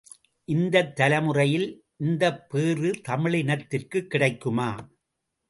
இந்தத் தலைமுறையில் இந்தப்பேறு தமிழினத்திற்குக் கிடைக்குமா?